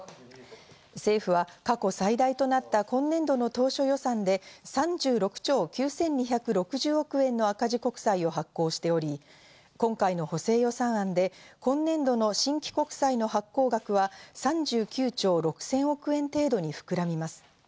政府は過去最大となった今年度の当初予算で３６兆９２６０億円の赤字国債を発行しており、今回の補正予算案で今年度の新規国債の発行額は３９兆６０００億円程度に膨らみます。